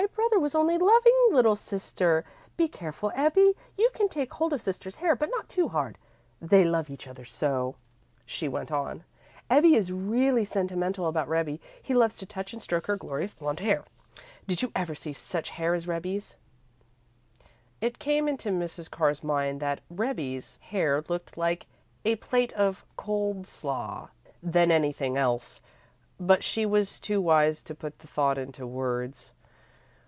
Brother was only loving little sister. Be careful, Ebbie. You can take hold of sister's hair, but not too hard. They love each other so," she went on. "Ebbie is really sentimental about Rebbie. He loves to touch and stroke her glorious blonde hair. Did you ever see such hair as Rebbie's?" It came into Mrs. Carr's mind that "Rebbie's" hair looked more like a plate of cold slaw than anything else, but she was too wise to put the thought into words.